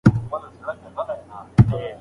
شاه محمود غوښتل چې اصفهان فتح کړي.